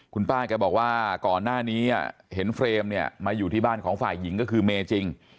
คุณป้าแกบอกว่าก่อนหน้านี้เห็นเฟรมเนี่ยมาอยู่ที่บ้านของฝ่ายหญิงก็คือเมย์จริง